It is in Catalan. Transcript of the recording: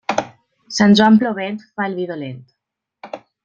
Sant Joan plovent fa el vi dolent.